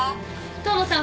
遠野さん